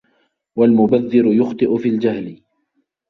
وَالْمُبَذِّرُ يُخْطِئُ فِي الْجَهْلِ